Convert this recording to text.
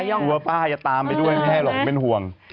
ตัวป้ายักษ์ตามไปด้วยไม่แร่ลงเป็นหวัง